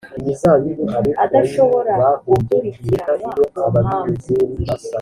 adashobora gukurikiranwa ku mpamvu